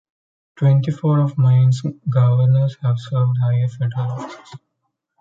Twenty-four of Maine's governors have served higher federal offices.